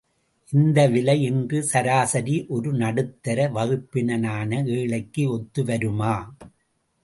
இந்த விலை இன்று சராசிரி ஒரு நடுத்தர வகுப்பினனான ஏழைக்கு ஒத்துவருமா?